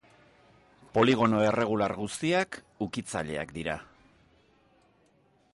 Poligono erregular guztiak ukitzaileak dira.